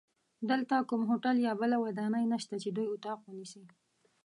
دلته کوم هوټل یا بله ودانۍ نشته چې دوی اتاق ونیسي.